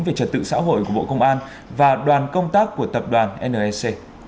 về trật tự xã hội của bộ công an và đoàn công tác của tập đoàn nec